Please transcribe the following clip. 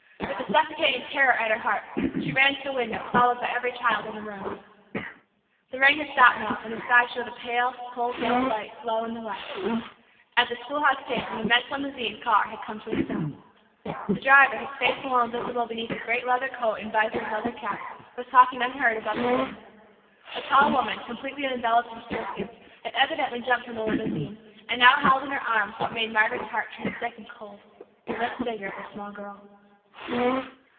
With a suffocating terror at her heart she ran to the window, followed by every child in the room. The rain had stopped now, and the sky showed a pale, cold, yellow light low in the west. At the schoolhouse gate an immense limousine car had come to a stop. The driver, his face alone visible between a great leather coat and visored leather cap, was talking unheard above the din. A tall woman, completely enveloped in sealskins, had evidently jumped from the limousine, and now held in her arms what made Margaret's heart turn sick and cold, the limp figure of a small girl.